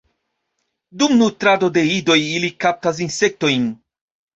Dum nutrado de idoj ili kaptas insektojn.